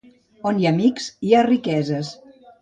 On hi ha amics, hi ha riqueses.